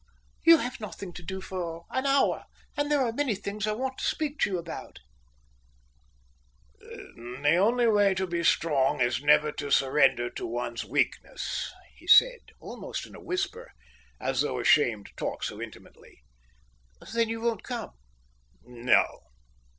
"You have nothing to do for an hour, and there are many things I want to speak to you about" "The only way to be strong is never to surrender to one's weakness," he said, almost in a whisper, as though ashamed to talk so intimately. "Then you won't come?" "No."